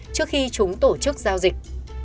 trước khi chúng tổ chức giao dịch